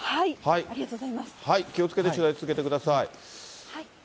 気をつけて取材続けてください。